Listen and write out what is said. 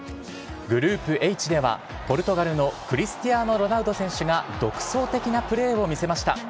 グループＨでは、ポルトガルのクリスティアーノ・ロナウド選手が独創的なプレーを見せました。